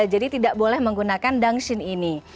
jadi tidak boleh menggunakan dangshin ini